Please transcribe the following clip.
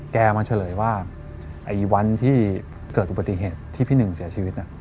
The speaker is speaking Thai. มาเฉลยว่าวันที่เกิดอุบัติเหตุที่พี่หนึ่งเสียชีวิต